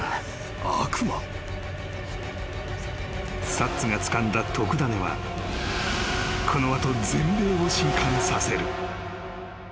［サッツがつかんだ特ダネはこの後全米を震撼させる］